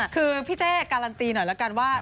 คือพี่เจกรารนตีหน่อยละกันว่า